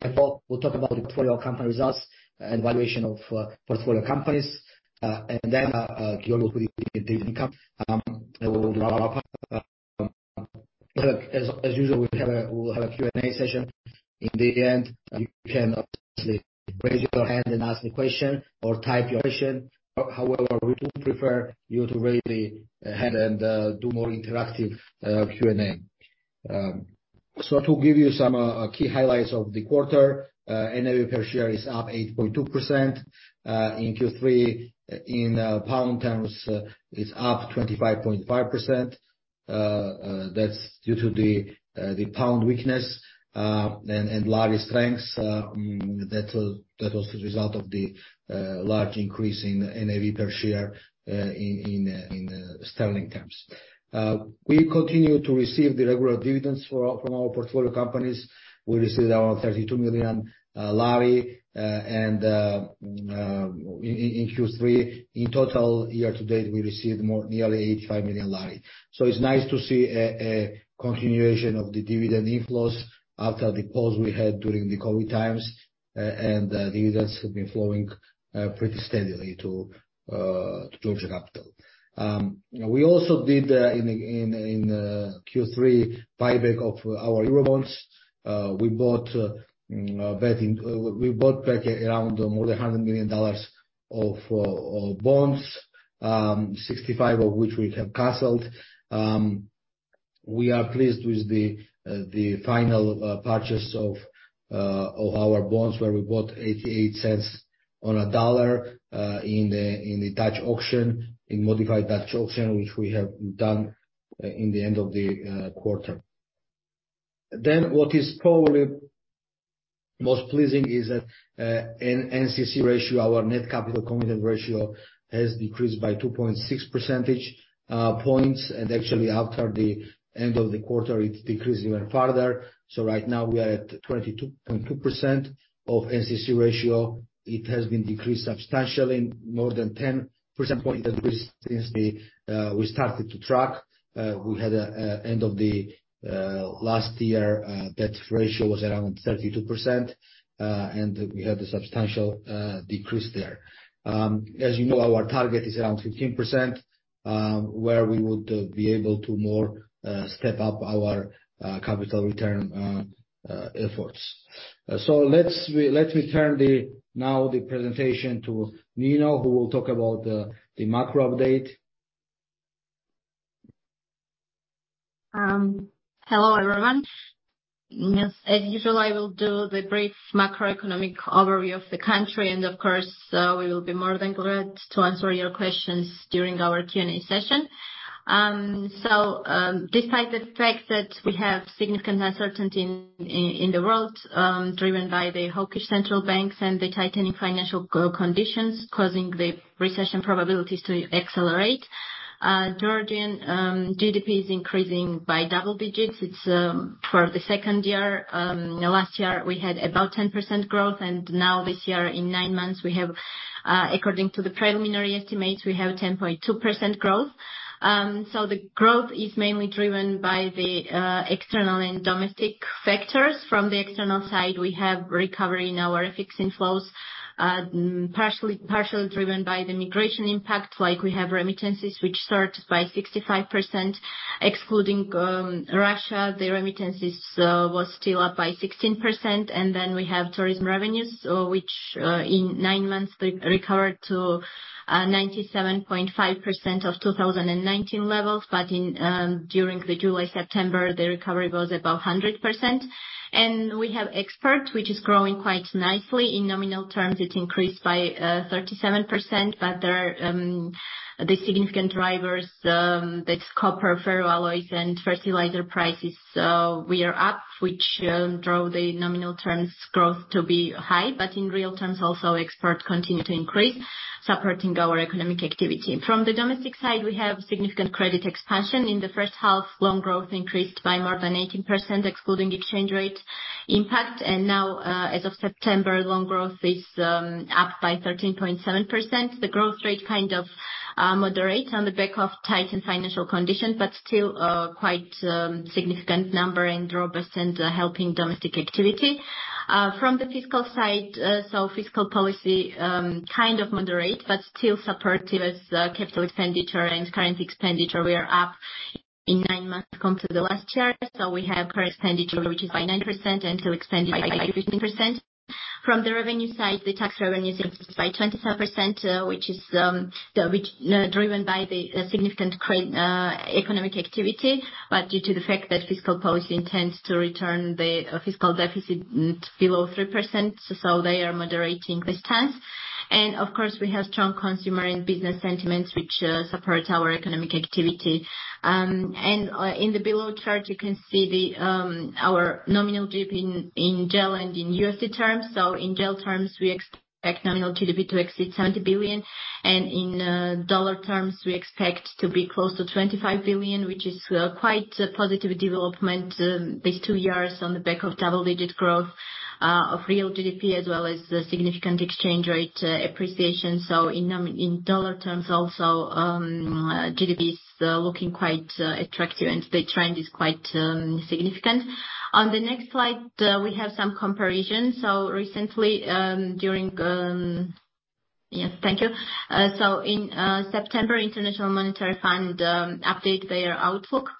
We'll talk about portfolio company results and valuation of portfolio companies. Giorgi will put in the income. We'll wrap up. As usual, we'll have a Q&A session in the end. You can obviously raise your hand and ask the question or type your question. However, we do prefer you to raise the hand and do more interactive Q&A. To give you some key highlights of the quarter, NAV per share is up 8.2%. In Q3, in pound terms, it's up 25.5% that's due to the pound weakness and lari strengths. That was the result of the large increase in NAV per share in sterling terms. We continue to receive the regular dividends from our portfolio companies. We received around GEL 32 million in Q3. In total, year to date, we received nearly GEL 85 million. It's nice to see a continuation of the dividend inflows after the pause we had during the COVID times. The dividends have been flowing pretty steadily to Georgia Capital. We also did in Q3 buyback of our Eurobonds. We bought back around more than $100 million of bonds, 65 of which we have canceled. We are pleased with the final purchase of our bonds, where we bought $0.88 on a dollar in the Dutch auction, a modified Dutch auction, which we have done at the end of the quarter. What is probably most pleasing is that in NCC ratio, our net capital committed ratio has decreased by 2.6 percentage points, and actually after the end of the quarter, it decreased even further. Right now we are at 22.2% NCC ratio. It has been decreased substantially, more than 10 percentage points at least since we started to track. At the end of last year, debt ratio was around 32% and we had a substantial decrease there. As you know, our target is around 15%, where we would be able to more step up our capital return efforts. Let's return the presentation now to Nino, who will talk about the macro update. Hello everyone. Yes as usual, I will do the brief macroeconomic overview of the country, and of course, we will be more than glad to answer your questions during our Q&A session. Despite the fact that we have significant uncertainty in the world, driven by the hawkish central banks and the tightening financial conditions, causing the recession probabilities to accelerate, Georgian GDP is increasing by double digits, it's for the second year. Last year we had about 10% growth, and now this year, in nine months, we have, according to the preliminary estimates, we have 10.2% growth. The growth is mainly driven by the external and domestic factors. From the external side, we have recovery in our FX inflows, partially driven by the migration impact. Like, we have remittances which surged by 65%. Excluding Russia, the remittances was still up by 16%. We have tourism revenues, which in nine months recovered to 97.5% of 2019 levels. During the July-September, the recovery was above 100%. We have exports, which is growing quite nicely. In nominal terms, it increased by 37% but there are the significant drivers that's copper, ferroalloys, and fertilizer prices. We are up, which drove the nominal terms growth to be high, but in real terms also, exports continue to increase, supporting our economic activity. From the domestic side, we have significant credit expansion. In the first half, loan growth increased by more than 18%, excluding exchange rate impact. Now, as of September, loan growth is up by 13.7%. The growth rate kind of moderate on the back of tightened financial conditions, but still quite significant number and robust and helping domestic activity. From the fiscal side, fiscal policy kind of moderate, but still supportive as capital expenditure and current expenditure were up in nine months compared to the last year. We have current expenditure, which is by 9%, and total expenditure by 13%. From the revenue side, the tax revenues increased by 25%, which is driven by the significant economic activity. Due to the fact that fiscal policy intends to return the fiscal deficit below 3%, they are moderating this time. Of course, we have strong consumer and business sentiments which support our economic activity. In the below chart, you can see our nominal GDP in GEL and in USD terms. In GEL terms, we expect nominal GDP to exceed GEL 70 billion. In dollar terms, we expect to be close to $25 billion, which is quite a positive development these two years on the back of double-digit growth of real GDP as well as the significant exchange rate appreciation. In dollar terms also, GDP is looking quite attractive, and the trend is quite significant. On the next slide, we have some comparison. Recently, in September, International Monetary Fund update their outlook.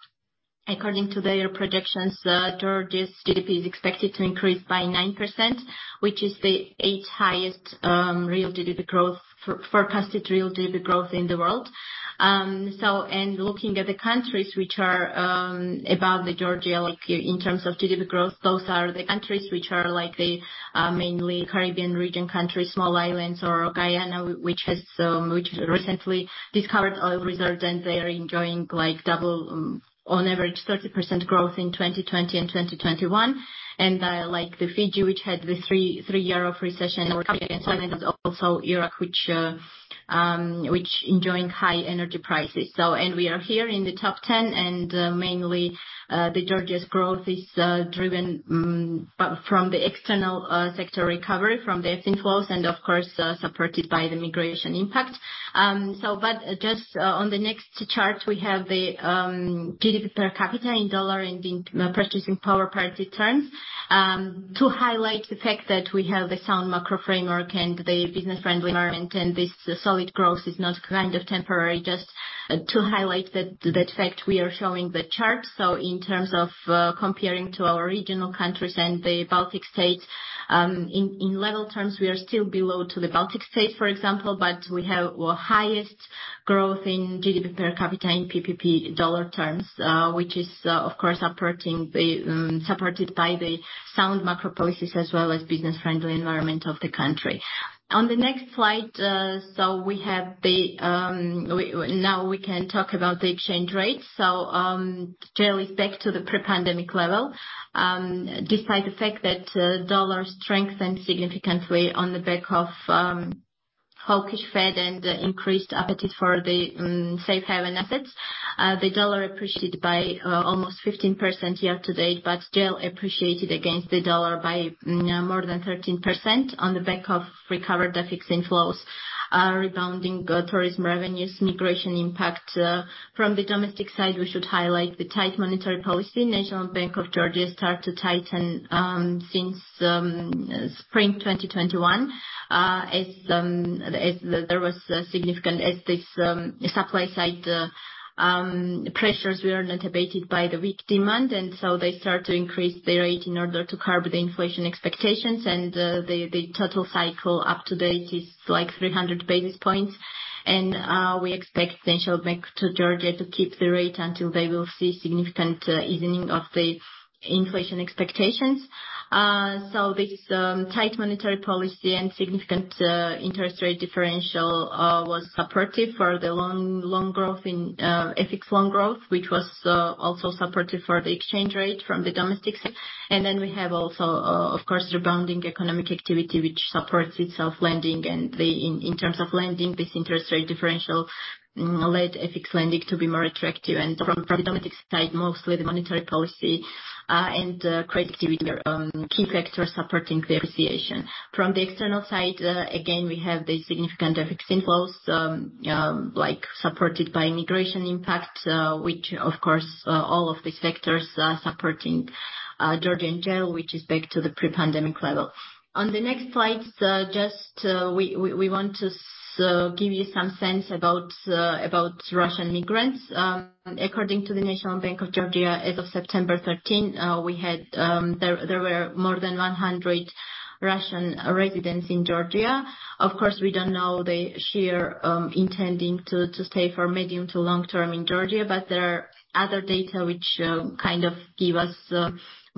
According to their projections, Georgia's GDP is expected to increase by 9%, which is the eighth highest real GDP growth forecasted in the world. Looking at the countries which are above Georgia, like, in terms of GDP growth, those are the countries which are, like, the mainly Caribbean region countries, small islands or Guyana, which recently discovered oil reserves, and they are enjoying, like, double, on average 30% growth in 2020 and 2021. Like the Fiji, which had the three-year of recession also Europe, which enjoying high energy prices. We are here in the top ten, mainly, Georgia's growth is driven by the external sector recovery from the inflows, and of course, supported by the migration impact. Just on the next chart, we have the GDP per capita in dollar and in purchasing power parity terms to highlight the fact that we have a sound macro framework and the business-friendly environment, and this solid growth is not kind of temporary. To highlight that fact, we are showing the chart. In terms of comparing to our regional countries and the Baltic states, in level terms, we are still below the Baltic states, for example, but we have the highest growth in GDP per capita in PPP dollar terms, which is, of course, approaching the supported by the sound macro policies as well as business-friendly environment of the country. On the next slide, now we can talk about the exchange rate. GEL is back to the pre-pandemic level. Despite the fact that dollar strengthened significantly on the back of hawkish Fed and increased appetite for the safe haven assets, the dollar appreciated by almost 15% year to date, but GEL appreciated against the dollar by more than 13% on the back of recovered FX inflows, rebounding tourism revenues, immigration impact. From the domestic side, we should highlight the tight monetary policy. National Bank of Georgia start to tighten since spring 2021. As there was significant supply side pressures were not abated by the weak demand, and so they start to increase their rate in order to curb the inflation expectations. The total cycle up to date is, like, 300 basis points. We expect National Bank of Georgia to keep the rate until they will see significant easing of the inflation expectations. This tight monetary policy and significant interest rate differential was supportive for the loan growth in FX loan growth, which was also supportive for the exchange rate from the domestic side. We have also, of course, rebounding economic activity, which supports retail lending. In terms of lending, this interest rate differential led FX lending to be more attractive. From the domestic side, mostly the monetary policy and credit activity are key factors supporting the appreciation. From the external side, again, we have the significant FX inflows, like, supported by immigration impact, which of course, all of these factors are supporting, GEL in Georgia, which is back to the pre-pandemic level. On the next slide, just—we want to give you some sense about Russian migrants. According to the National Bank of Georgia, as of September 13, we had, there were more than 100 Russian residents in Georgia. Of course, we don't know the share, intending to stay for medium to long-term in Georgia, but there are other data which, kind of give us,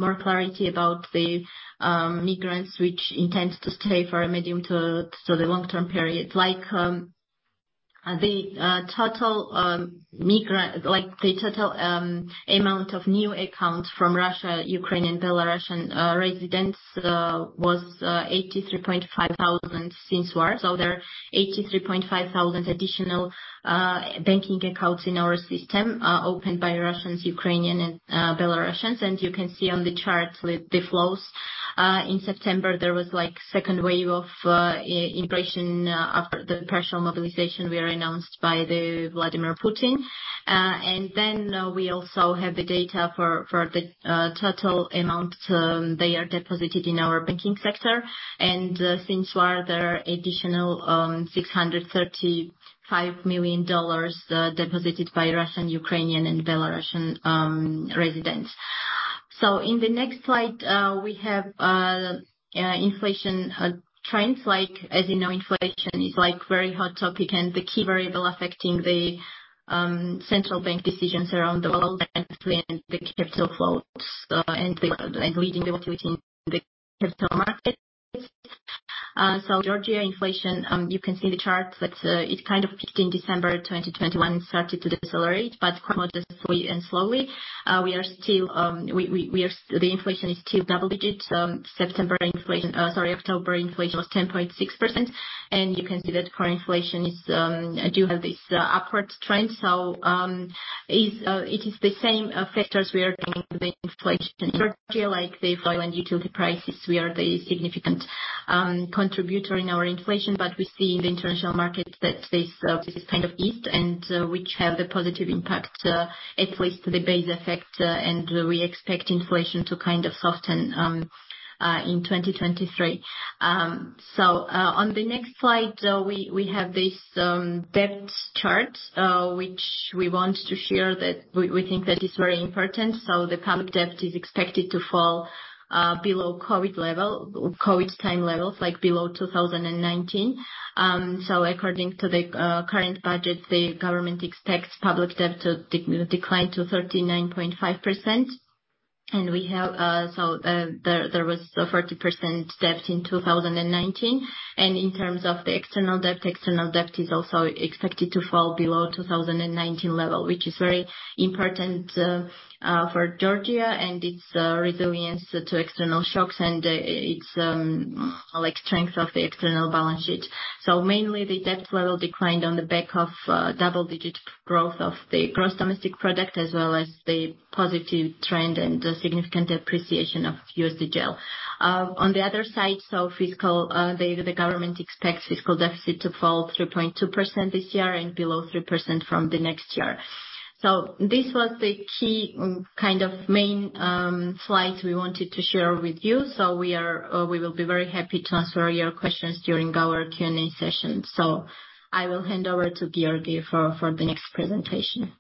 more clarity about the, migrants which intends to stay for a medium to the long-term period. Like, the, total, migrant... Like, the total amount of new accounts from Russia, Ukraine, and Belarusian residents was 83,500 since war. There are 83,500 additional banking accounts in our system opened by Russians, Ukrainians, and Belarusians. You can see on the chart with the flows. In September, there was, like, second wave of immigration after the partial mobilization were announced by the Vladimir Putin. We also have the data for the total amount they are deposited in our banking sector. Since war, there are additional $635 million deposited by Russian, Ukrainian, and Belarusian residents. In the next slide, we have inflation trends like, as you know, inflation is, like, very hot topic and the key variable affecting the central bank decisions around the world and the capital flows, and reading the activity in the capital markets. Georgia inflation, you can see the chart that it kind of peaked in December 2021, started to decelerate, but quite modestly and slowly. The inflation is still double digits, September, October inflation was 10.6%. You can see that core inflation does have this upward trend. It is the same factors we are seeing the inflation in Georgia, like the oil and utility prices were the significant contributor in our inflation. We see in the international market that this kind of eased and which have a positive impact at least to the base effect. We expect inflation to kind of soften in 2023. On the next slide, we have this debt chart which we want to share that we think that is very important. The public debt is expected to fall below COVID level, COVID time levels, like below 2019. According to the current budget, the government expects public debt to decline to 39.5%. We have so there was a 40% debt in 2019. In terms of the external debt, external debt is also expected to fall below 2019 level, which is very important for Georgia and its resilience to external shocks and its like strength of the external balance sheet. Mainly the debt level declined on the back of double-digit growth of the gross domestic product, as well as the positive trend and the significant appreciation of USD/GEL. On the other side, the government expects fiscal deficit to fall 3.2% this year and below 3% from the next year. This was the key kind of main slides we wanted to share with you. We will be very happy to answer your questions during our Q&A session. I will hand over to Gilauri for the next presentation.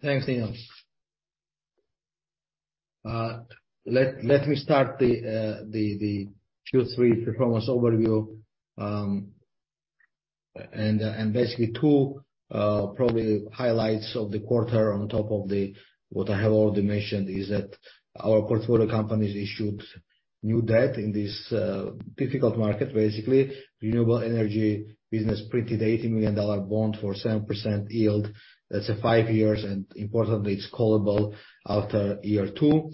Thanks Nino. Let me start the Q3 performance overview. Basically two probably highlights of the quarter on top of the what I have already mentioned is that our portfolio companies issued new debt in this difficult market, basically. Renewable energy business printed $80 million bond for 7% yield that's at five years, and importantly, it's callable after year two.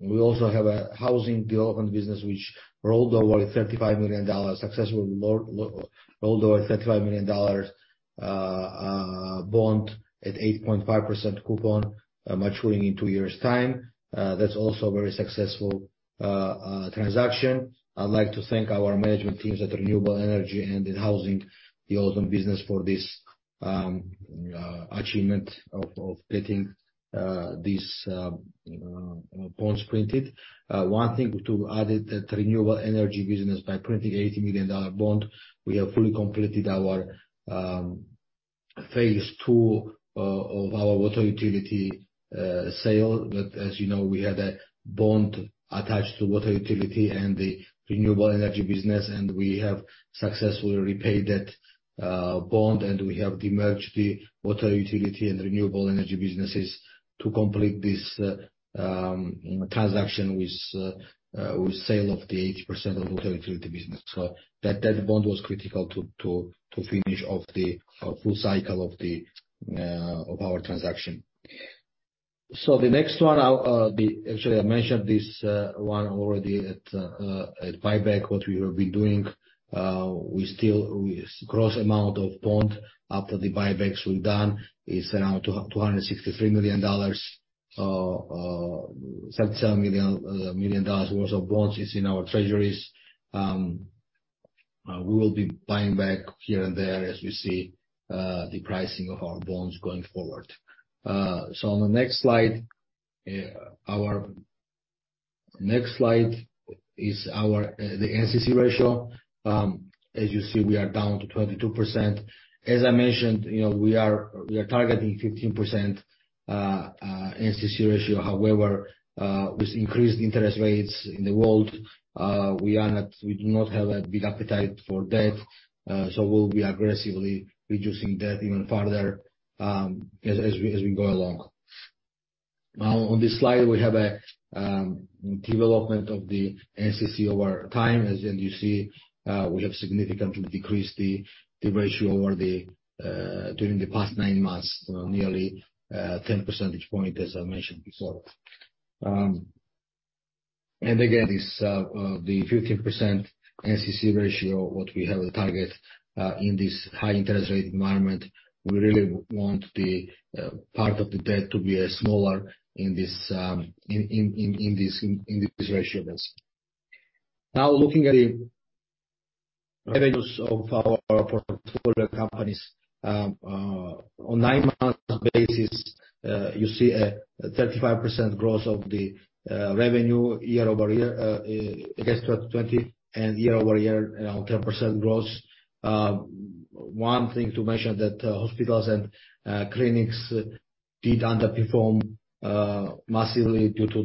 We also have a housing development business which successfully rolled over $35 million bond at 8.5% coupon, maturing in two years' time. That's also very successful transaction. I'd like to thank our management teams at renewable energy and housing development business for this achievement of getting these bonds printed. One thing to add that renewable energy business, by printing $80 million bond, we have fully completed our phase two of our water utility sale. As you know, we had a bond attached to water utility and the renewable energy business, and we have successfully repaid that bond. We have demerged the water utility and renewable energy businesses to complete this transaction with sale of the 80% of water utility business. That bond was critical to finish off the full cycle of our transaction. The next one, actually I mentioned this one already at buyback, what we will be doing. We still gross amount of bond after the buybacks we've done is around $263 million, $10 million worth of bonds is in our treasuries. We will be buying back here and there as we see the pricing of our bonds going forward. On the next slide, the NCC ratio. As you see, we are down to 22%. As I mentioned, you know, we are targeting 15% NCC ratio. However, with increased interest rates in the world, we are not, we do not have a big appetite for debt, so we'll be aggressively reducing debt even further, as we go along. Now on this slide, we have a development of the NCC over time. You see, we have significantly decreased the ratio during the past nine months, nearly 10 percentage point, as I mentioned before. Again, this the 15% NCC ratio, which we have as a target in this high interest rate environment, we really want the part of the debt to be smaller in this ratio base. Now looking at the revenues of our portfolio companies, on nine months basis, you see a 35% growth of the revenue year-over-year against 2020, and year-over-year 10% growth. One thing to mention that hospitals and clinics did underperform massively due to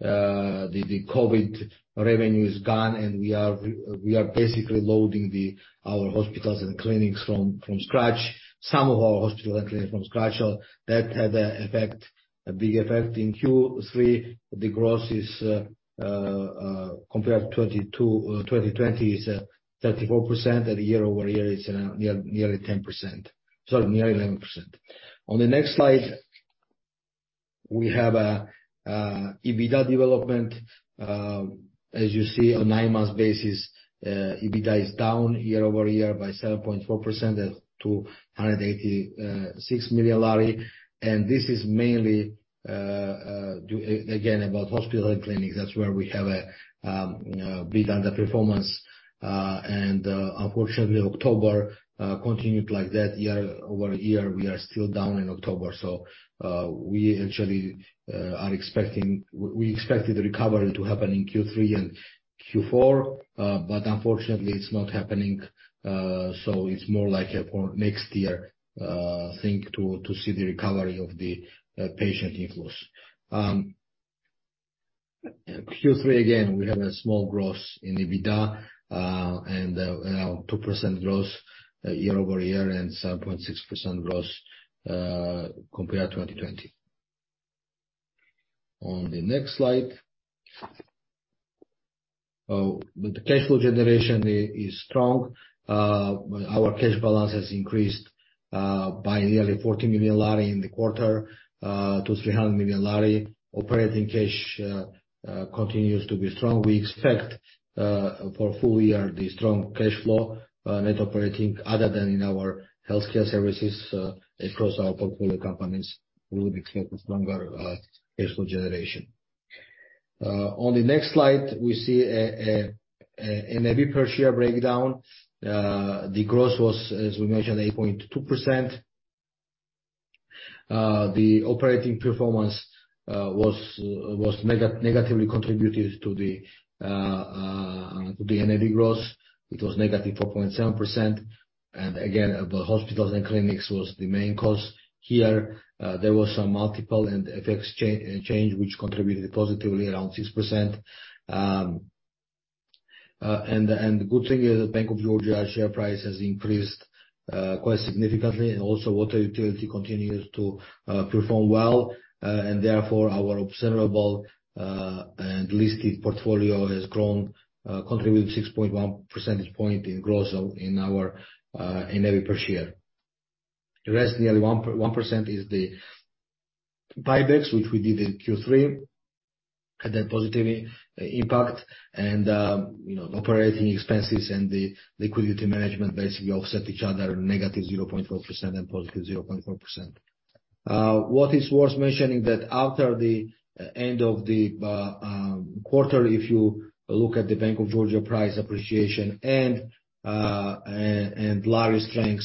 the COVID revenue is gone and we are basically loading our hospitals and clinics from scratch. That had an effect, a big effect. In Q3, the growth is compared to 2022, 2020 is 34%, and year-over-year is nearly 11%. Sorry, nearly 11%. On the next slide, we have an EBITDA development. As you see on nine months basis, EBITDA is down year-over-year by 7.4% to GEL 186 million. This is mainly due again to hospitals and clinics that's where we have a big underperformance. Unfortunately, October continued like that. Year-over-year, we are still down in October. We actually are expecting. We expected the recovery to happen in Q3 and Q4, but unfortunately it's not happening. It's more like a for next year thing to see the recovery of the patient inflows. Q3 again, we have a small growth in EBITDA, and well, 2% growth year-over-year and 7.6% growth, compared to 2020. On the next slide. With the cash flow generation is strong. Our cash balance has increased by nearly GEL 40 million in the quarter to GEL 300 million. Operating cash continues to be strong. We expect for full year the strong cash flow, net operating other than in our healthcare services, across our portfolio companies will be keeping stronger cash flow generation. On the next slide, we see an NAV per share breakdown. The growth was, as we mentioned, 8.2%. The operating performance was negatively contributed to the NAV growth it was -4.7%. Again, the hospitals and clinics was the main cause here. There was some multiple and FX change which contributed positively around 6%. The good thing is that Bank of Georgia share price has increased quite significantly. Water Utility continues to perform well, and therefore our valuable and listed portfolio has grown, contributing 6.1 percentage points in growth in our NAV per share. The rest, nearly 1%, is the buybacks, which we did in Q3, had a positive impact. You know, operating expenses and the liquidity management basically offset each other, -0.4% and +0.4%. What is worth mentioning is that after the end of the quarter, if you look at the Bank of Georgia Group PLC price appreciation and GEL strength,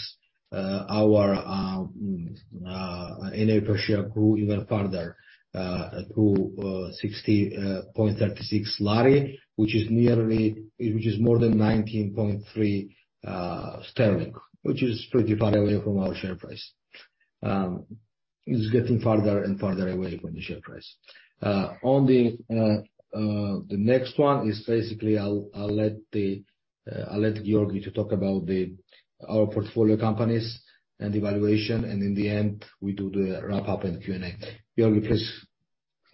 our NAV per share grew even further to GEL 60.36, which is more than 19.3 sterling, which is pretty far away from our share price. It's getting farther and farther away from the share price. On the next one is basically I'll let Giorgi to talk about our portfolio companies and valuation, and in the end, we do the wrap up and Q&A. Giorgi please.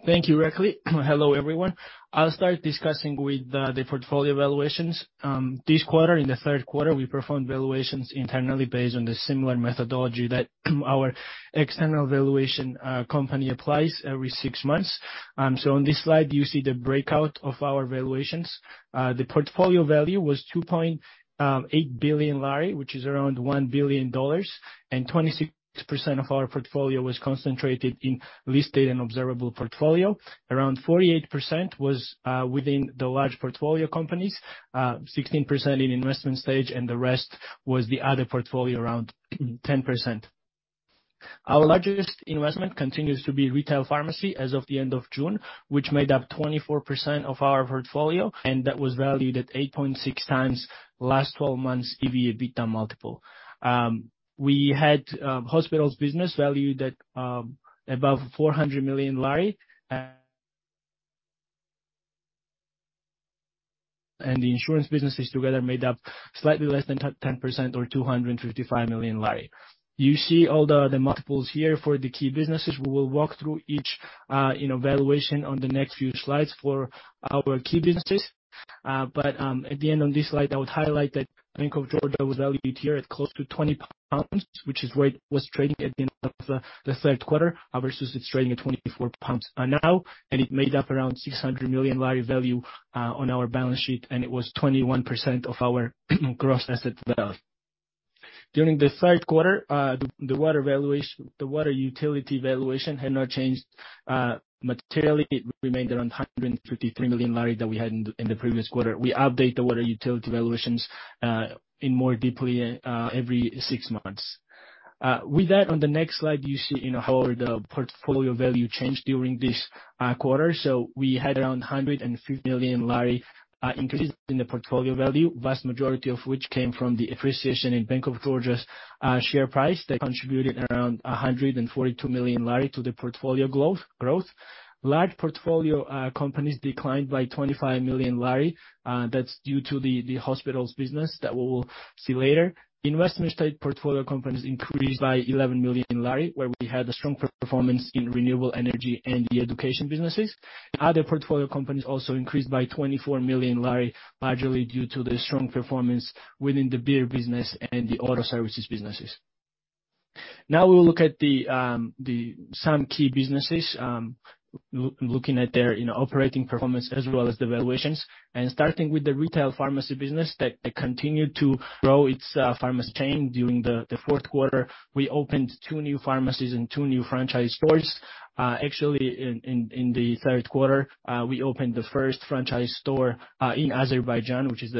Thank you Irakli. Hello everyone. I'll start discussing with the portfolio evaluations. This quarter, in the third quarter, we performed valuations internally based on the similar methodology that our external valuation company applies every six months. On this slide you see the breakout of our valuations. The portfolio value was GEL 2.8 billion, which is around $1 billion, and 26% of our portfolio was concentrated in listed and observable portfolio. Around 48% was within the large portfolio companies, 16% in investment stage, and the rest was the other portfolio, around 10%. Our largest investment continues to be retail pharmacy as of the end of June, which made up 24% of our portfolio, and that was valued at 8.6x last twelve months EBITDA multiple. We had hospitals business valued at above GEL 400 million. The insurance businesses together made up slightly less than 10% or GEL 255 million. You see all the multiples here for the key businesses. We will walk through each you know valuation on the next few slides for our key businesses. But at the end on this slide, I would highlight that Bank of Georgia was valued here at close to 20 pounds, which is where it was trading at the end of the third quarter versus it's trading at 24 pounds now, and it made up around GEL 600 million value on our balance sheet, and it was 21% of our gross assets value. During the third quarter, the water valuation, the water utility valuation had not changed materially. It remained around GEL 153 million that we had in the previous quarter. We update the water utility valuations in more deeply every six months. With that, on the next slide, you see, you know, how the portfolio value changed during this quarter. We had around GEL 150 million increase in the portfolio value, vast majority of which came from the appreciation in Bank of Georgia's share price that contributed around GEL 142 million to the portfolio growth. Large portfolio companies declined by 25 million GEL that's due to the hospitals business that we will see later. Investment-stage portfolio companies increased by GEL 11 million, where we had a strong performance in renewable energy and the education businesses. Other portfolio companies also increased by GEL 24 million, largely due to the strong performance within the beer business and the auto service businesses. Now we will look at some key businesses, looking at their, you know, operating performance as well as the valuations. Starting with the retail pharmacy business that it continued to grow its pharmacy chain during the fourth quarter. We opened two new pharmacies and two new franchise stores. Actually, in the third quarter, we opened the first franchise store in Azerbaijan, which is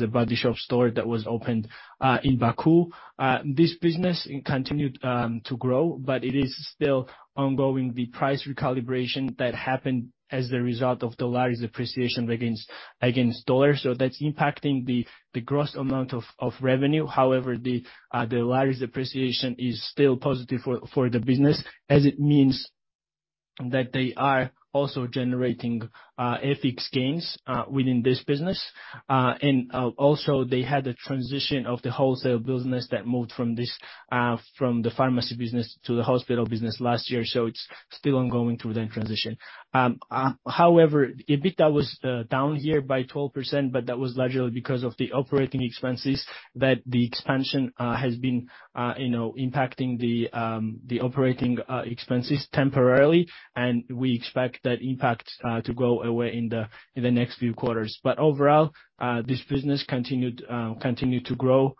a The Body Shop store that was opened in Baku. This business continued to grow, but it is still ongoing. The price recalibration that happened as the result of the Lari's appreciation against dollar, so that's impacting the gross amount of revenue. However, the Lari's appreciation is still positive for the business, as it means that they are also generating FX gains within this business. Also they had the transition of the wholesale business that moved from the pharmacy business to the hospital business last year. It's still ongoing through that transition. However, EBITDA was down here by 12%, but that was largely because of the operating expenses that the expansion has been you know impacting the operating expenses temporarily. We expect that impact to go away in the next few quarters. Overall, this business continued to grow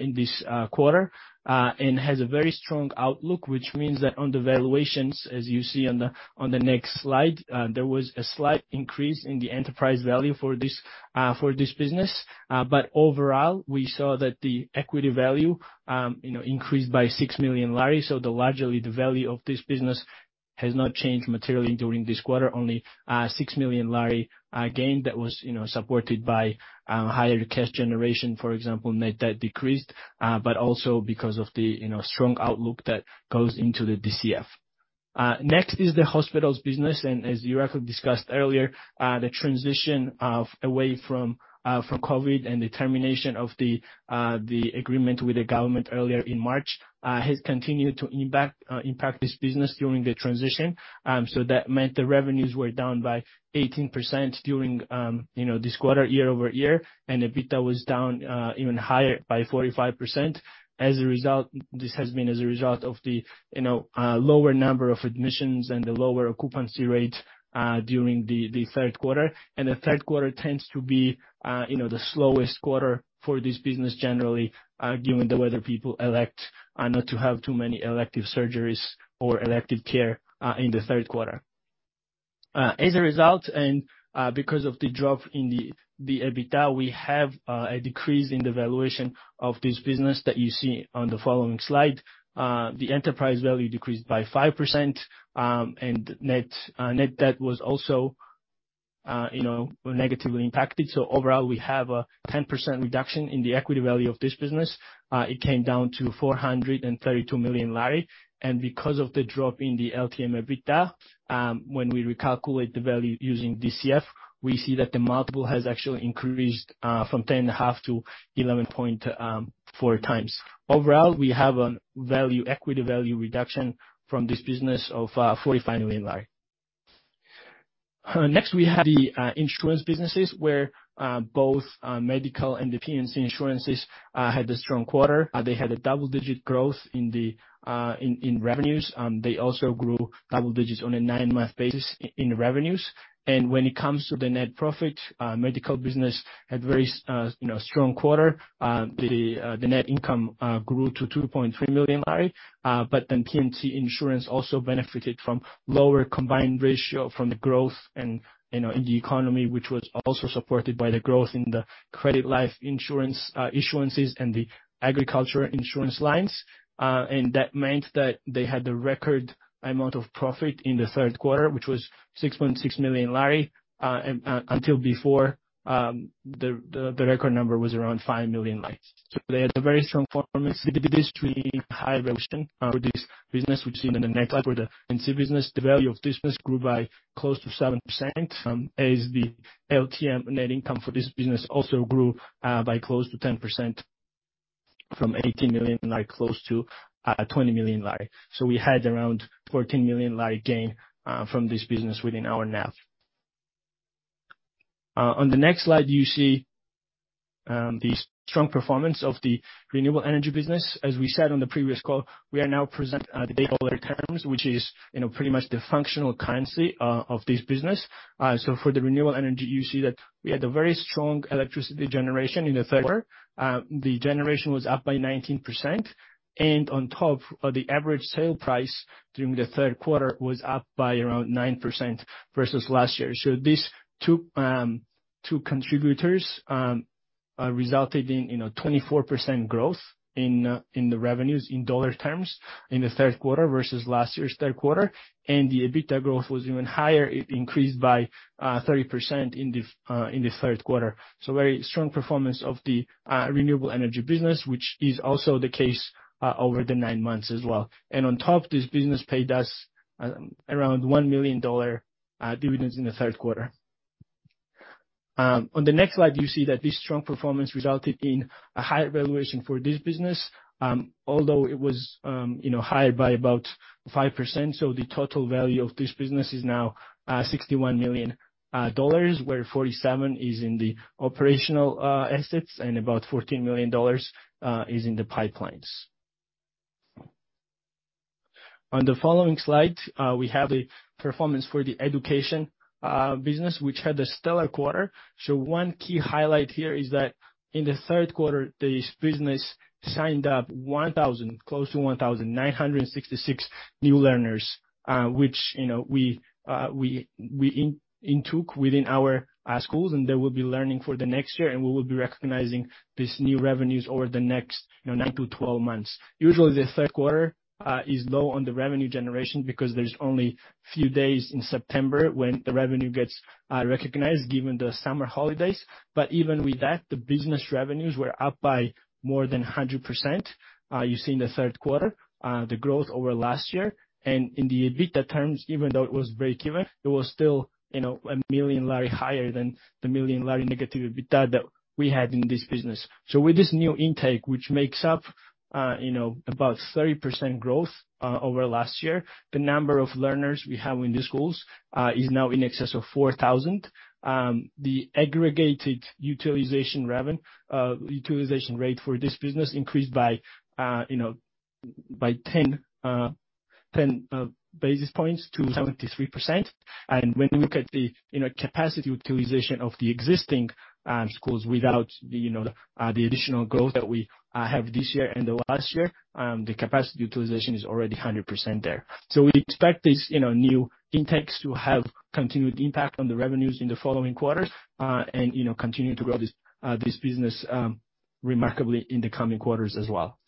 in this quarter and has a very strong outlook, which means that on the valuations, as you see on the next slide, there was a slight increase in the enterprise value for this business. Overall, we saw that the equity value, you know, increased by GEL 6 million. Largely, the value of this business has not changed materially during this quarter, only GEL 6 million gain that was, you know, supported by higher cash generation, for example, net debt decreased, but also because of the strong outlook that goes into the DCF. Next is the hospitals business, and as Irakli discussed earlier, the transition away from COVID and the termination of the agreement with the government earlier in March has continued to impact this business during the transition. That meant the revenues were down by 18% during, you know, this quarter year-over-year, and EBITDA was down even higher by 45%. As a result, this has been a result of the, you know, lower number of admissions and the lower occupancy rate during the third quarter. The third quarter tends to be, you know, the slowest quarter for this business generally, given the weather people elect not to have too many elective surgeries or elective care in the third quarter. As a result, because of the drop in the EBITDA, we have a decrease in the valuation of this business that you see on the following slide. The enterprise value decreased by 5%. Net debt was also, you know, negatively impacted. Overall, we have a 10% reduction in the equity value of this business. It came down to GEL 432 million. Because of the drop in the LTM EBITDA, when we recalculate the value using DCF, we see that the multiple has actually increased from 10.5x to 11.4x. Overall, we have a value, equity value reduction from this business of GEL 45 million. Next we have the insurance businesses, where both medical and the P&C insurances had a strong quarter. They had a double-digit growth in revenues. They also grew double digits on a nine-month basis in revenues. When it comes to the net profit, medical business had very, you know, strong quarter. The net income grew to GEL 2.3 million. P&C insurance also benefited from lower combined ratio from the growth and, you know, in the economy, which was also supported by the growth in the credit life insurance issuances and the agricultural insurance lines. That meant that they had a record amount of profit in the third quarter, which was GEL 6.6 million. Until before, the record number was around GEL 5 million. They had a very strong performance, this really high growth in this business, which in the next slide for the P&C business. The value of this business grew by close to 7%, as the LTM net income for this business also grew by close to 10% from GEL 18 million close to GEL 20 million. We had around GEL 14 million gain from this business within our NAV. On the next slide, you see the strong performance of the renewable energy business. As we said on the previous call, we are now presenting the dollar terms, which is, you know, pretty much the functional currency of this business. For the renewable energy, you see that we had a very strong electricity generation in the third quarter. The generation was up by 19%. On top, the average sale price during the third quarter was up by around 9% versus last year. These two contributors resulted in, you know, 24% growth in the revenues in dollar terms in the third quarter versus last year's third quarter. The EBITDA growth was even higher. It increased by 30% in the third quarter. Very strong performance of the renewable energy business, which is also the case over the nine months as well. On top, this business paid us around $1 million dividends in the third quarter. On the next slide, you see that this strong performance resulted in a higher valuation for this business, although it was, you know, higher by about 5%. The total value of this business is now $61 million, where 47 is in the operational assets and about $14 million is in the pipelines. On the following slide, we have the performance for the education business, which had a stellar quarter. One key highlight here is that in the third quarter, this business signed up close to 1,966 new learners, which you know, we intake within our schools, and they will be learning for the next year, and we will be recognizing these new revenues over the next, you know, nine to 12 months. Usually, the third quarter is low on the revenue generation because there's only few days in September when the revenue gets recognized given the summer holidays. Even with that, the business revenues were up by more than 100%. You see in the third quarter, the growth over last year and in the EBITDA terms, even though it was breakeven, it was still, you know, GEL 1 million higher than the GEL 1 million negative EBITDA that we had in this business. With this new intake, which makes up, you know, about 30% growth over last year, the number of learners we have in the schools is now in excess of 4,000. The aggregated utilization rate for this business increased by, you know, by 10 basis points to 73%. When we look at the, you know, capacity utilization of the existing schools without the, you know, the additional growth that we have this year and the last year, the capacity utilization is already 100% there. We expect this, you know, new intakes to have continued impact on the revenues in the following quarters, and, you know, continue to grow this business remarkably in the coming quarters as well.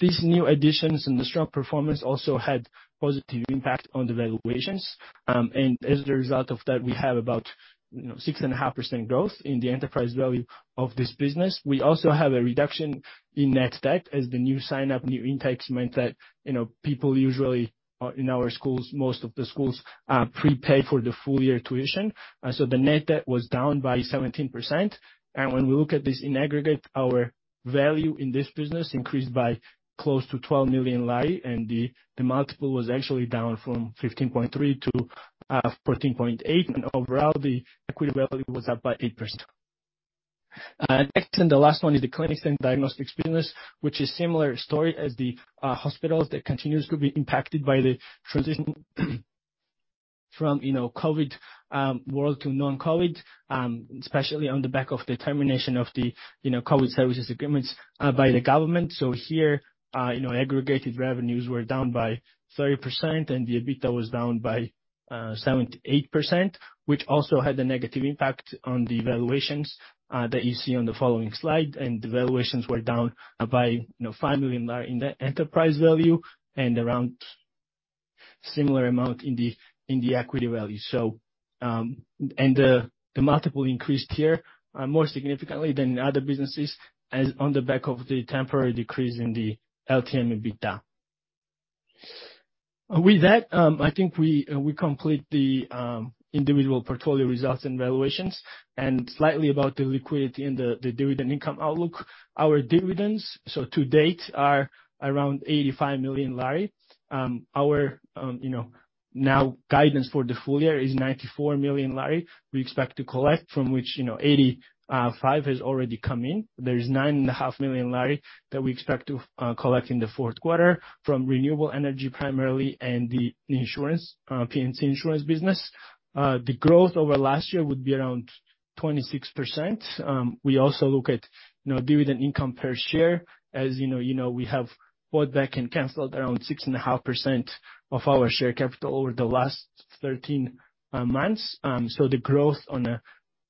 These new additions and the strong performance also had positive impact on the valuations. As a result of that, we have about, you know, 6.5% growth in the enterprise value of this business. We also have a reduction in net debt as the new sign up, new intakes meant that people usually in our schools, most of the schools, prepay for the full year tuition. The net debt was down by 17%. When we look at this in aggregate, our value in this business increased by close to GEL 12 million, and the multiple was actually down from 15.3 to 14.8. Overall, the equity value was up by 8%. Next and the last one is the clinics and diagnostics business, which is similar story as the hospitals that continues to be impacted by the transition from COVID world to non-COVID, especially on the back of the termination of the COVID services agreements by the government. Here, you know, aggregated revenues were down by 30%, and the EBITDA was down by 78%, which also had a negative impact on the valuations that you see on the following slide. The valuations were down by, you know, GEL 5 million in the enterprise value and around similar amount in the equity value. The multiple increased here more significantly than in other businesses as on the back of the temporary decrease in the LTM EBITDA. With that, I think we complete the individual portfolio results and valuations and slightly about the liquidity and the dividend income outlook. Our dividends to date are around GEL 85 million. Our you know now guidance for the full year is GEL 94 million we expect to collect, from which, you know, GEL 85 million has already come in. There is GEL 9.5 million that we expect to collect in the fourth quarter from renewable energy primarily and the insurance P&C insurance business. The growth over last year would be around 26%. We also look at you know dividend income per share. As you know, you know, we have bought back and canceled around 6.5% of our share capital over the last 13 months. The growth on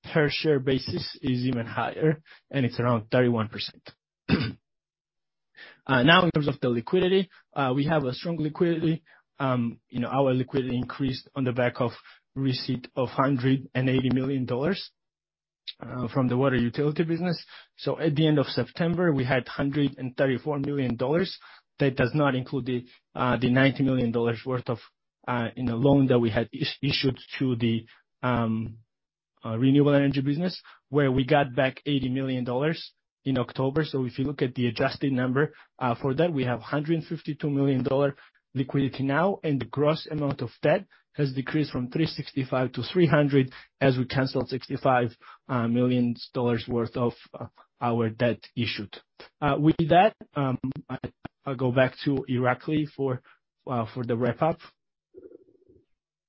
a per share basis is even higher, and it's around 31%. Now in terms of the liquidity, we have a strong liquidity. You know, our liquidity increased on the back of receipt of $180 million from the water utility business. At the end of September, we had $134 million that does not include the $90 million worth of loan that we had issued to the renewable energy business, where we got back $80 million in October. If you look at the adjusted number for that, we have $152 million liquidity now, and the gross amount of debt has decreased from $365 million to $300 million as we canceled $65 million worth of our debt issued. With that, I'll go back to Irakli for the wrap-up.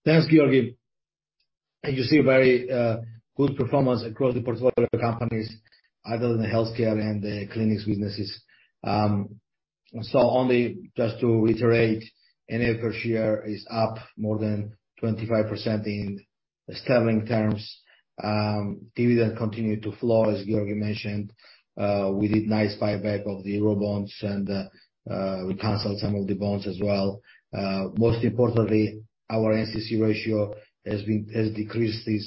Thanks Giorgi. As you see, very good performance across the portfolio companies other than the healthcare and the clinics businesses. Only just to reiterate, NAV per share is up more than 25% in sterling terms. Dividend continued to flow, as Giorgi mentioned. We did nice buyback of the Eurobonds and we canceled some of the bonds as well. Most importantly, our NCC ratio has decreased at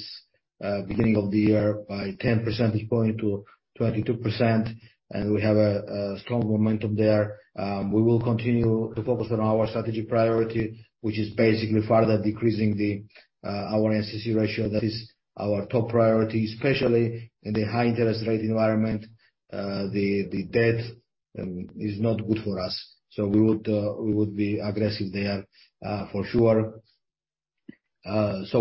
the beginning of the year by 10 percentage points to 22% and we have a strong momentum there. We will continue to focus on our strategic priority, which is basically further decreasing our NCC ratio. That is our top priority, especially in the high interest rate environment. The debt is not good for us. We would be aggressive there, for sure.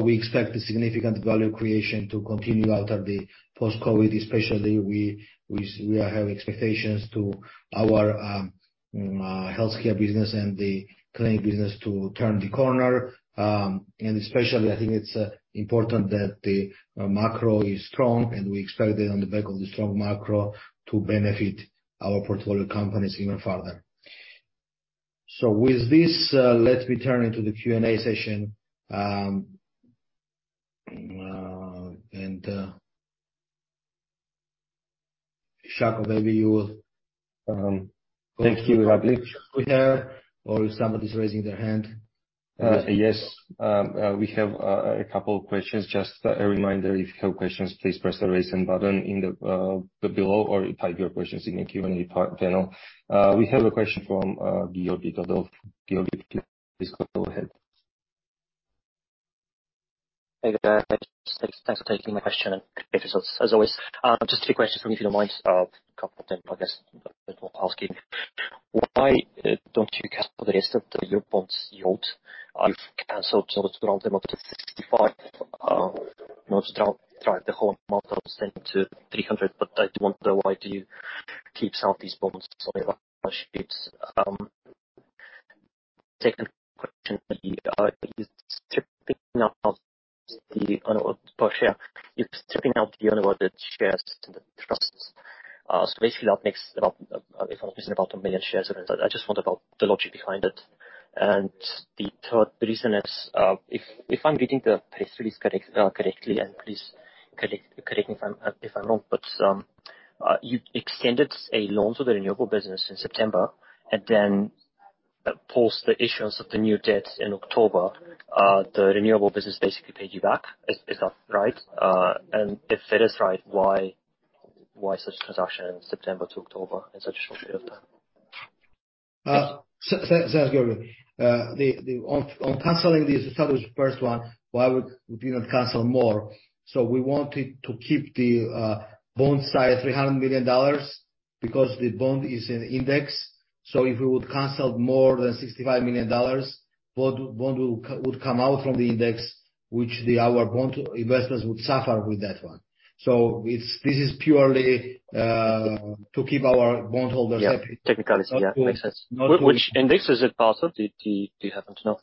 We expect the significant value creation to continue out of the post-COVID, especially we are having expectations for our healthcare business and the clinic business to turn the corner. Especially I think it's important that the macro is strong, and we expect it on the back of the strong macro to benefit our portfolio companies even further. With this, let me turn to the Q&A session. Shako, maybe you will. Thank you Irakli. If somebody's raising their hand. Yes. We have a couple of questions. Just a reminder, if you have questions, please press the Raise Hand button in the below, or you type your questions in the Q&A panel. We have a question from Gavin Trodd. Gavin, please go ahead. Hey guys, thanks for taking my question and great results as always. Just three questions from me, if you don't mind. A couple of them, I guess. People asking, why don't you cancel the rest of the Eurobonds yield? You've canceled sort of around about the $65 million to buy the whole amount of $100 million-$300 million, but I do wonder why do you keep some of these bonds. Second question, the stripping out of the NAV per share. Stripping out the shares owned by the trusts. So basically that makes about, if I'm not mistaken, about 1 million shares. I just wonder about the logic behind it. The third reason is, if I'm getting the press release correctly, and please correct me if I'm wrong, but you extended a loan to the renewable business in September and then post the issuance of the new debt in October, the renewable business basically paid you back. Is that right? If it is right, why such transaction in September to October in such a short period of time? On canceling the established first one, why would you not cancel more? We wanted to keep the bond size $300 million because the bond is in an index. If we would cancel more than $65 million, bond would come out from the index which our bond investors would suffer with that one. This is purely to keep our bond holders happy. Yeah. Technically, yeah. Makes sense. Not to—which index is it part of? Do you happen to know?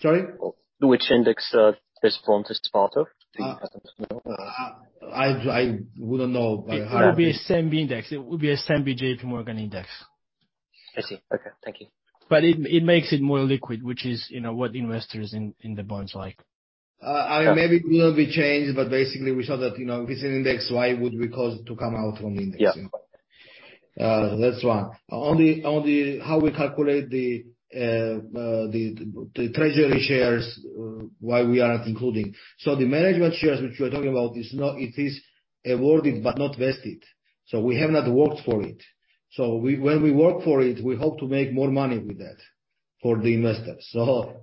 Sorry? Which index, this bond is part of? Do you happen to know? I wouldn't know but I hire It will be the same index. It will be the same JPMorgan index. I see. Okay, thank you. It makes it more liquid, which is, you know, what investors in the bonds like? I mean, maybe it will be changed, but basically we saw that, you know, if it's an index why would we cause it to come out from the index? Yeah. You know? That's one. On how we calculate the treasury shares, why we are not including. The management shares which we are talking about is not. It is awarded but not vested, so we have not worked for it. When we work for it, we hope to make more money with that for the investors.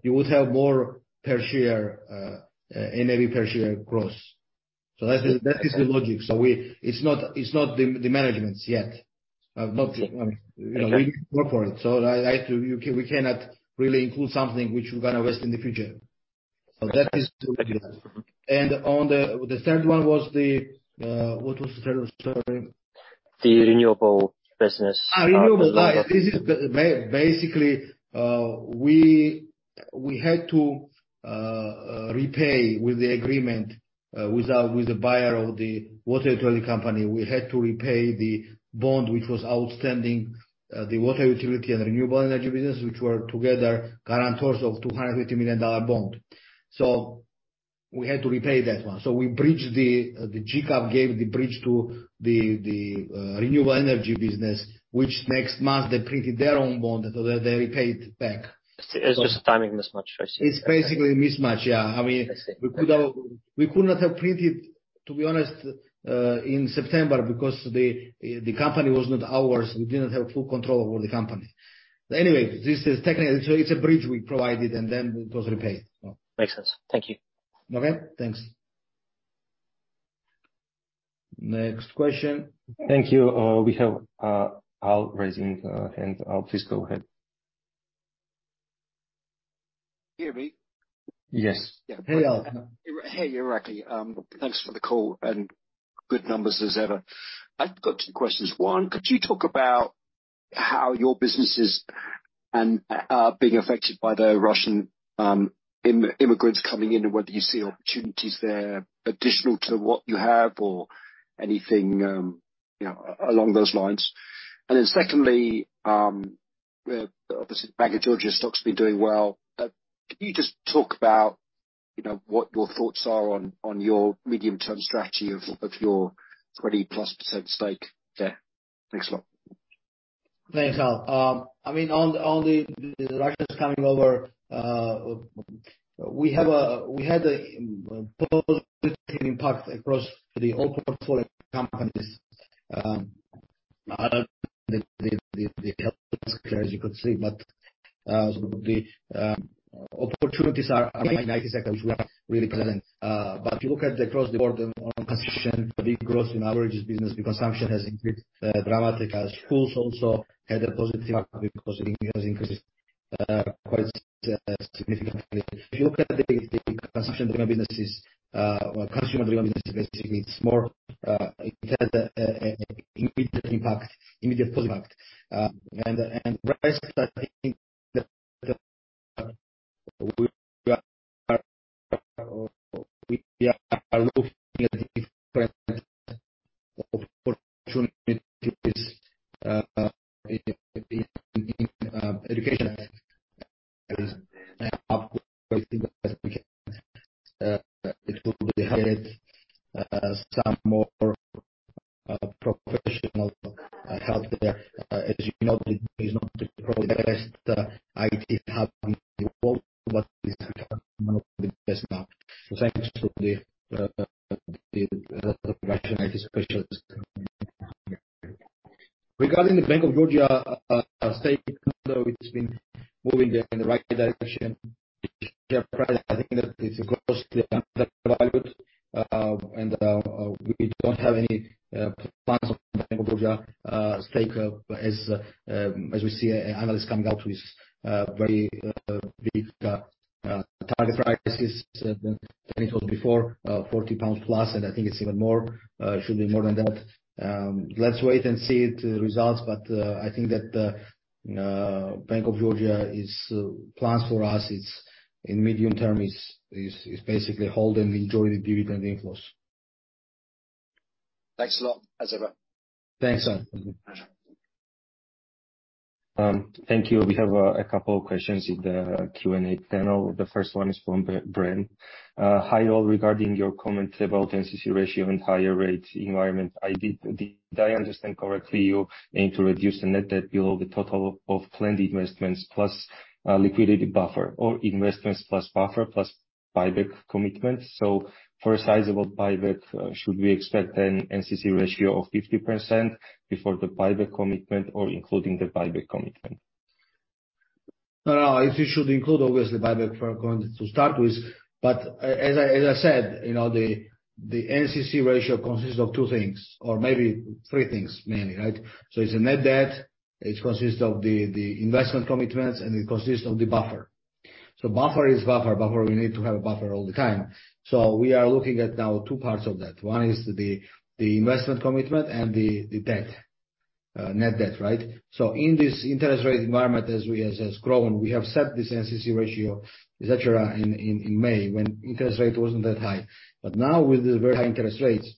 You would have more per share, NAV per share gross that's the logic. It's not the management's yet. We need to work for it. We cannot really include something which we're gonna invest in the future that is. On the third one was the. What was the third one, sorry? The renewable business. Renewable. This is basically we had to repay with the agreement with the buyer of the water utility business. We had to repay the bond, which was outstanding, the water utility and renewable energy business which were together guarantors of $250 million bond. We had to repay that one. GCAP gave the bridge to the renewable energy business, which next month they printed their own bond. They repaid back. It's just timing mismatch. I see. It's basically a mismatch, yeah. I mean. I see. We could not have printed, to be honest, in September because the company was not ours. We didn't have full control over the company. Anyway, this is technically. It's a bridge we provided, and then it was repaid. Makes sense, thank you. Okay, thanks. Next question. Thank you. We have Al raising hand. Al, please go ahead. Can you hear me? Yes. Hey Al. Hey Irakli. Thanks for the call and good numbers as ever. I've got two questions. One, could you talk about how your businesses and are being affected by the Russian immigrants coming in, and whether you see opportunities there additional to what you have or anything, you know, along those lines? Then secondly, obviously Bank of Georgia stock's been doing well. Can you just talk about, you know, what your thoughts are on your medium term strategy of your 20%+ stake there? Thanks a lot. Thanks Al. I mean on the Russians coming over, we had a positive impact across the whole portfolio companies. The healthcare as you could see. The opportunities are, if you look across the board on consumption, big growth in Aversi business, the consumption has increased dramatically. Schools also had a positive because it has increased quite significantly. If you look at the consumption driven businesses or consumer driven businesses, basically it's more, it has an immediate impact, immediate positive impact. And precisely, I think we are looking at different opportunities in education, it will be helped some more professional help there. As you know, it is not the progressed IT hub in the world, but it's becoming one of the best now thanks to the Russian IT specialists. Regarding the Bank of Georgia stake, you know, it's been moving in the right direction. Yeah, I think that we don't have any plans on Bank of Georgia stake as we see an analyst coming out with very big target prices than it was before, 40+ pounds, and I think it's even more. It should be more than that. Let's wait and see the results. I think that our plans for Bank of Georgia in the medium term is basically hold and enjoy the dividend inflows. Thanks a lot as ever. Thanks Sir. Thank you. We have a couple of questions in the Q&A panel. The first one is from Bren. Hi all, regarding your comments about NCC ratio and higher rates environment, did I understand correctly you aim to reduce the net debt below the total of planned investments plus liquidity buffer or investments plus buffer plus buyback commitments. For a sizable buyback, should we expect an NCC ratio of 50% before the buyback commitment or including the buyback commitment? No, it should include obviously the buyback for going to start with. As I said, you know, the NCC ratio consists of two things or maybe three things mainly, right? It's a net debt. It consists of the investment commitments, and it consists of the buffer. Buffer is buffer. Buffer, we need to have a buffer all the time. We are looking at now two parts of that. One is the investment commitment and the debt, net debt, right? In this interest rate environment, as it has grown, we have set this NCC ratio etc., in May, when interest rate wasn't that high. Now with these very high interest rates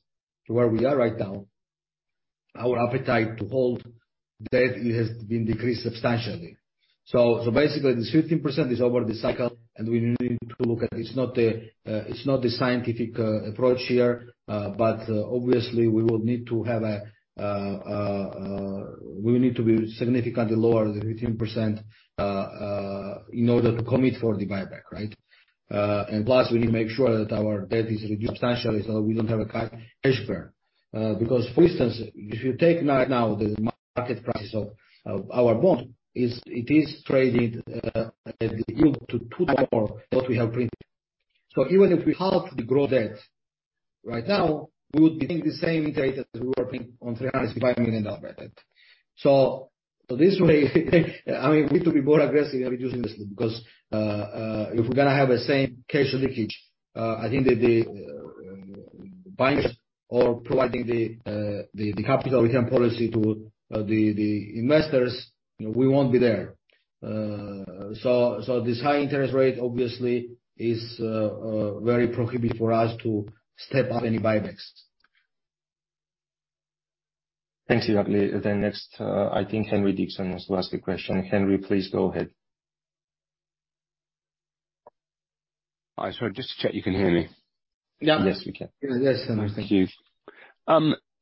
to where we are right now, our appetite to hold debt has been decreased substantially. Basically the 15% is over the cycle and we need to look at it. It's not the scientific approach here. Obviously we need to be significantly lower than 15% in order to commit for the buyback, right? Plus, we need to make sure that our debt is reduced substantially so that we don't have a cash burn. Because for instance, if you take right now the market price of our bond, it is traded at yield to 2x what we have printed. Even if we halve the gross debt right now, we would be paying the same interest as we were paying on $365 million debt. This way, I mean, we need to be more aggressive in reducing this because if we're gonna have the same cash leakage, I think that the capital return policy to the investors, you know, we won't be there. This high interest rate obviously is very prohibitive for us to step up any buybacks. Thank you Irakli. Next, I think Henry Dixon is to ask a question. Henry please go ahead. Hi. Sorry, just to check you can hear me.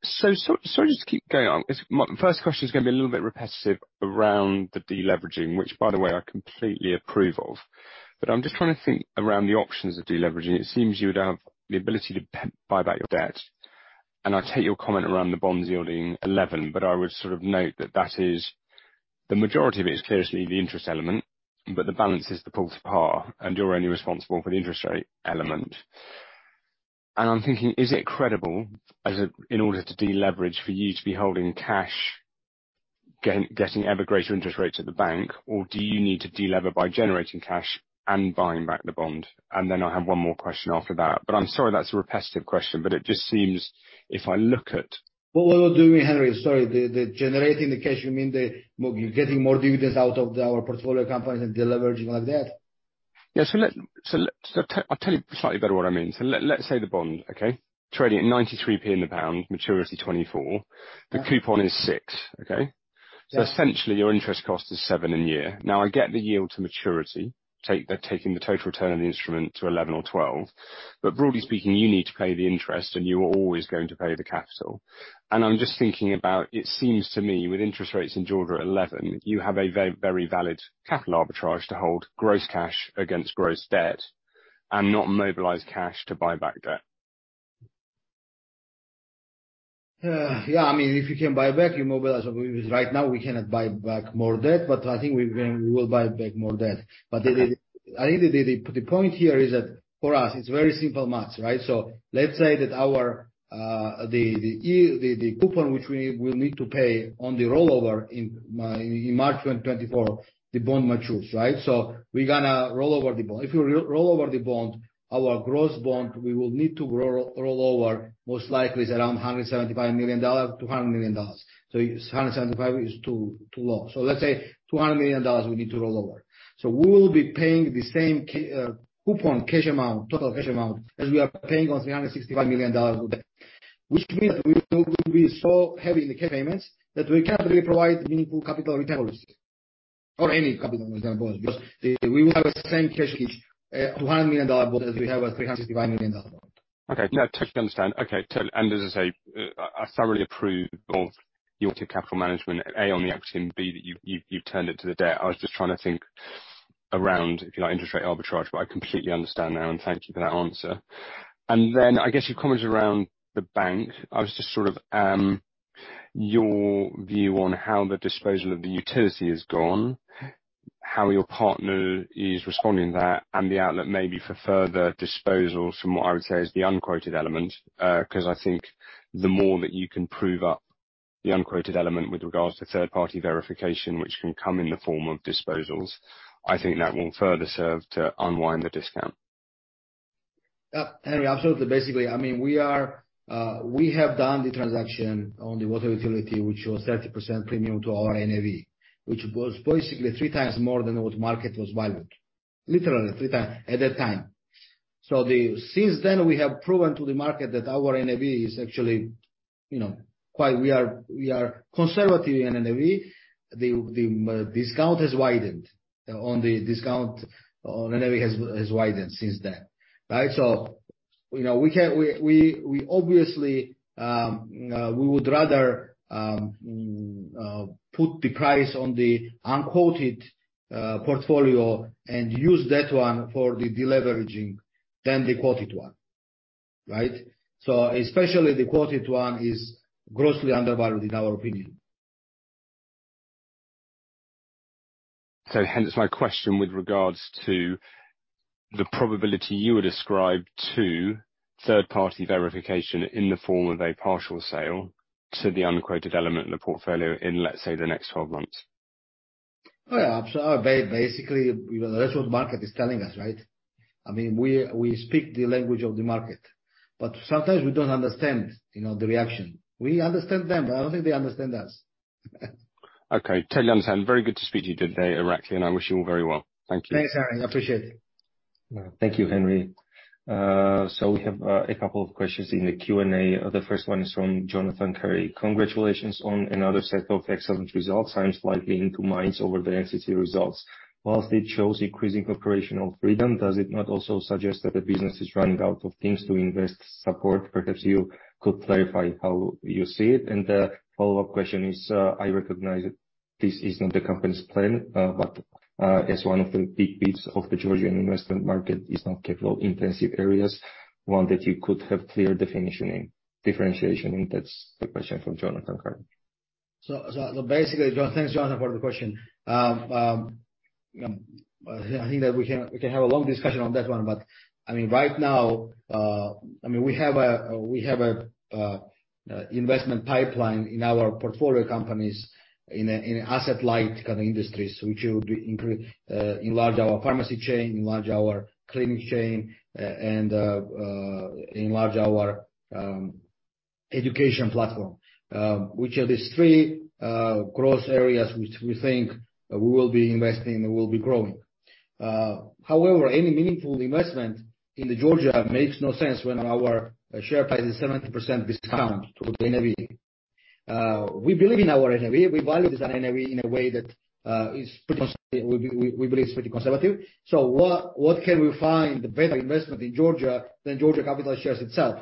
Yeah. Yes we can. Yes Henry. Thank you. Sorry, just to keep going on this. First question is gonna be a little bit repetitive around the deleveraging, which by the way, I completely approve of. I'm just trying to think around the options of deleveraging. It seems you would have the ability to buy back your debt, and I take your comment around the bonds yielding 11%. I would sort of note that that is the majority of it is clearly the interest element, but the balance is the pull to par, and you're only responsible for the interest rate element. I'm thinking, is it credible in order to deleverage for you to be holding cash, getting ever greater interest rates at the bank? Or do you need to deleverage by generating cash and buying back the bond? I have one more question after that. I'm sorry that's a repetitive question, but it just seems if I look at. What do you mean Henry? Sorry. The generating the cash, you mean the more you getting more dividends out of our portfolio companies and deleveraging like that? I'll tell you slightly better what I mean. Let's say the bond, okay? Trading at 93p in the pound, maturity 2024. Yeah. The coupon is six. Okay? Yeah. Essentially your interest cost is 7% in a year. I get the yield to maturity, taking the total return of the instrument to 11% or 12%. Broadly speaking, you need to pay the interest and you are always going to pay the capital. I'm just thinking about it. It seems to me with interest rates in Georgia at 11%, you have a very valid capital arbitrage to hold gross cash against gross debt and not mobilize cash to buy back debt. Yeah. I mean, if you can buy back, you mobilize. Right now we cannot buy back more debt, but I think we will buy back more debt. I think the point here is that for us it's very simple math, right? Let's say that the coupon which we will need to pay on the rollover in March 2024, the bond matures, right? We're gonna roll over the bond. If you roll over the bond, our gross bond we will need to roll over most likely is around $175 million to $100 million. It's $175 million is too low. Let's say $200 million we need to roll over. We will be paying the same coupon cash amount, total cash amount as we are paying on $365 million of debt. Which means we will be so heavy in the cash payments that we cannot really provide meaningful capital return policy or any capital return policy, because we will have the same cash leakage at $200 million dollar bond as we have at $365 million dollar bond. Okay. No, totally understand. Okay. I thoroughly approve of your capital management, A, on the execution, B, that you've turned it to the debt. I was just trying to think around, if you like, interest rate arbitrage, but I completely understand now, and thank you for that answer. Then I guess your comments around the bank. I was just sort of your view on how the disposal of the utility has gone, how your partner is responding to that and the outlet maybe for further disposals from what I would say is the unquoted element. Because I think the more that you can prove up the unquoted element with regards to third party verification, which can come in the form of disposals, I think that will further serve to unwind the discount. Yeah Henry, absolutely. Basically, I mean, we have done the transaction on the water utility, which was 30% premium to our NAV, which was basically three times more than what market was valued, literally three times at that time. Since then we have proven to the market that our NAV is actually, you know, quite, we are conservative in NAV. The discount on NAV has widened since then. Right? We obviously would rather put the price on the unquoted portfolio and use that one for the deleveraging than the quoted one, right? Especially the quoted one is grossly undervalued in our opinion. Hence my question with regards to the probability you would ascribe to third party verification in the form of a partial sale to the unquoted element in the portfolio in, let's say, the next 12 months? Yeah. Basically, that's what market is telling us, right? I mean, we speak the language of the market, but sometimes we don't understand, you know, the reaction. We understand them, but I don't think they understand us. Okay, totally understand. Very good to speak to you today Irakli and I wish you all very well. Thank you. Thanks Henry. I appreciate it. Thank you Henry. So we have a couple of questions in the Q&A. The first one is from Jonathan Lewis. Congratulations on another set of excellent results. I am slightly in two minds over the NCC results. While it shows increasing operational freedom, does it not also suggest that the business is running out of things to invest surplus? Perhaps you could clarify how you see it. The follow-up question is, I recognize that this is not the company's plan, but as one of the biggest of the Georgian investment market is non-capital intensive areas, one that you could have clear differentiating, differentiation in. That's the question from Jonathan Lewis. Thanks Jonathan for the question. Basically, I think that we can have a long discussion on that one, but I mean, right now, I mean, we have a investment pipeline in our portfolio companies in asset light kind of industries, which will enlarge our pharmacy chain, enlarge our clinic chain, and enlarge our education platform, which are these three growth areas which we think we will be investing and we'll be growing. However, any meaningful investment in Georgia makes no sense when our share price is 70% discount to the NAV. We believe in our NAV. We value this NAV in a way that we believe is pretty conservative. What can we find a better investment in Georgia than Georgia Capital shares itself?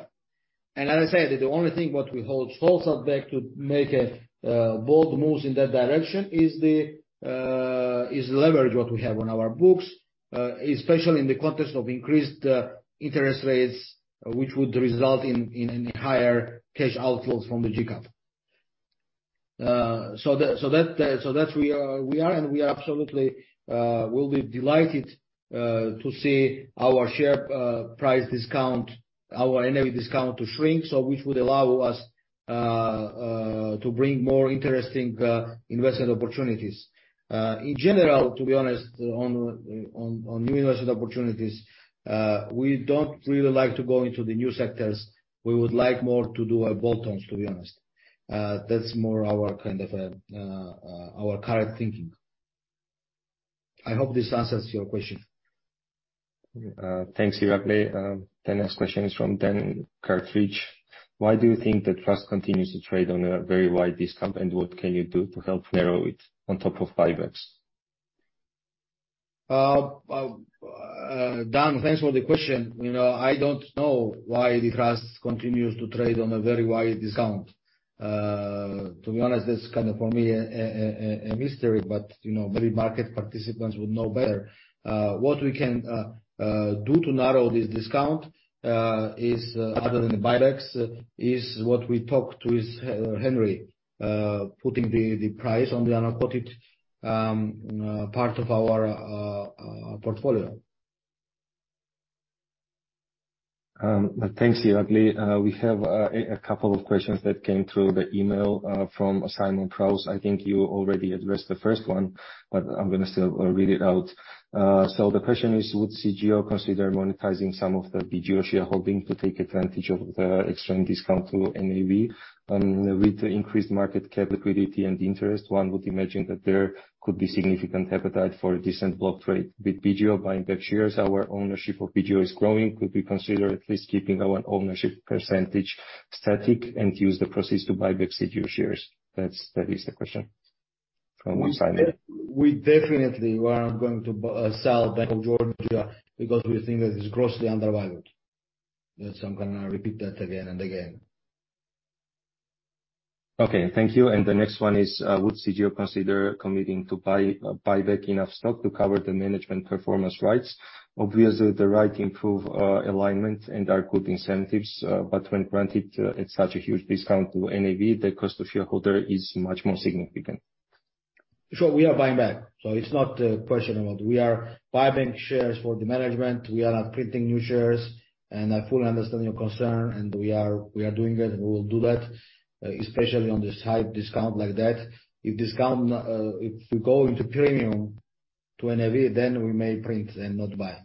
As I said, the only thing that holds us back from making a bold moves in that direction is the leverage that we have on our books, especially in the context of increased interest rates which would result in a higher cash outflows from the GCAP. That we will be delighted to see our share price discount to NAV shrink. Which would allow us to bring more interesting investment opportunities. In general, to be honest, on new investment opportunities, we don't really like to go into the new sectors. We would like more to do our bolt-ons, to be honest. That's more our kind of our current thinking. I hope this answers your question. Thank Irakli. The next question is from Dan Cartridge. Why do you think the trust continues to trade on a very wide discount, and what can you do to help narrow it on top of 5x? Dan thanks for the question. You know, I don't know why the trust continues to trade on a very wide discount. To be honest, that's kind of, for me, a mystery, but you know, maybe market participants would know better. What we can do to narrow this discount, other than the buybacks, is what we talked to Henry, putting the price on the unquoted part of our portfolio. Thanks Irakli. We have a couple of questions that came through the email from Simon Butcher. I think you already addressed the first one, but I'm gonna still read it out. So the question is, would GCAP consider monetizing some of the BGEO shareholding to take advantage of the extreme discount to NAV? With the increased market cap liquidity and interest, one would imagine that there could be significant appetite for a decent block trade with BGEO buying back shares. Our ownership of BGEO is growing. Could we consider at least keeping our ownership percentage static and use the proceeds to buy back GCAP shares? That is the question from one side. We definitely are not going to sell Bank of Georgia because we think that it's grossly undervalued. Yes, I'm gonna repeat that again and again. Okay thank you. The next one is, would GCAP consider committing to buy back enough stock to cover the management performance rights? Obviously, the rights improve alignment and are good incentives, but when granted at such a huge discount to NAV, the cost to shareholders is much more significant. Sure. We are buying back. We are buying shares for the management. We are not printing new shares. I fully understand your concern, and we are doing it and we will do that, especially on this high discount like that. If discount not, if we go into premium to NAV, then we may print and not buy.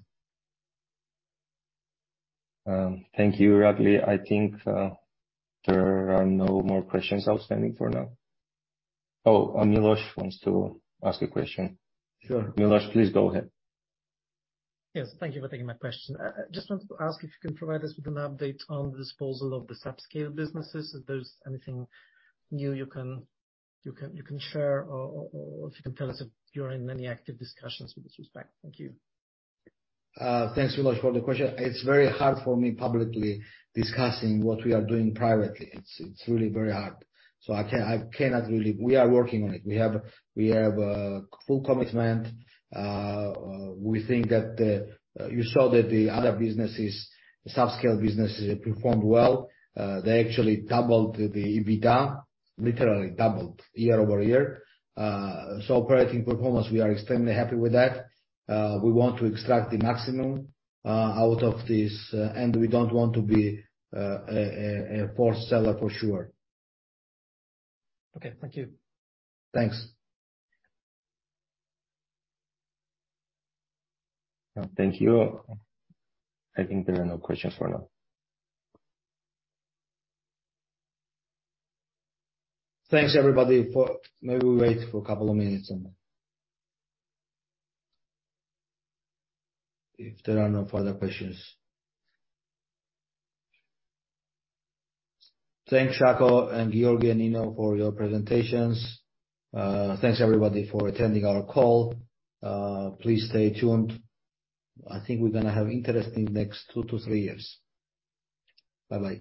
Thank you Irakli. I think, there are no more questions outstanding for now. Milos wants to ask a question. Sure. Milos please go ahead. Yes, thank you for taking my question. I just wanted to ask if you can provide us with an update on the disposal of the subscale businesses, if there's anything new you can share or if you can tell us if you're in any active discussions in this respect. Thank you. Thanks Milos for the question. It's very hard for me publicly discussing what we are doing privately. It's really very hard. I cannot really. We are working on it. We have a full commitment. We think you saw that the other businesses, subscale businesses performed well. They actually doubled the EBITDA, literally doubled year-over-year. Operating performance, we are extremely happy with that. We want to extract the maximum out of this and we don't want to be a poor seller for sure. Okay, thank you. Thanks. Thank you. I think there are no questions for now. Thanks everybody. Maybe we wait for a couple of minutes. If there are no further questions. Thanks Shako and Giorgi and Nino for your presentations. Thanks everybody for attending our call. Please stay tuned. I think we're gonna have interesting next tow-three years. Bye-bye.